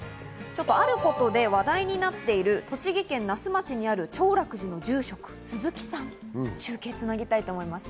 あることで話題になっている栃木県那須町にある長楽寺の住職・鈴木さん、中継をつなぎたいと思います。